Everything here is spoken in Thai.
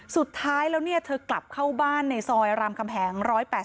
สุดท้ายแล้วเธอกลับเข้าบ้านในซอยรามคำแหง๑๘๐